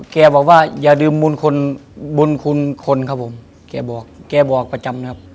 แกบอกว่าอย่าลืมบุญคนบุญคุณคนครับผมแกบอกแกบอกประจำนะครับ